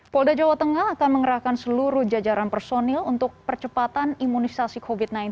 polda jawa tengah akan mengerahkan seluruh jajaran personil untuk percepatan imunisasi covid sembilan belas